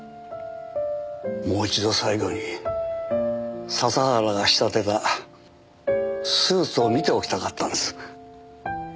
もう一度最後に笹原が仕立てたスーツを見ておきたかったんです。